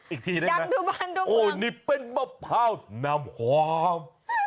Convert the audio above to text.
อีกทีได้เหรอวะโอนี่เป็นบัคพร้าวนำหวาม